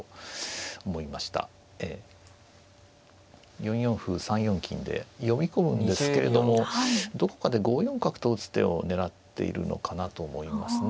４四歩３四金で呼び込むんですけれどもどこかで５四角と打つ手を狙っているのかなと思いますね。